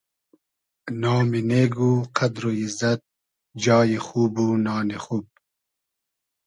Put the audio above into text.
نامی نېگ و قئدر و ایززئد جای خوب و نانی خوب